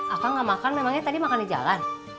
akang gak makan memangnya tadi makan di jalan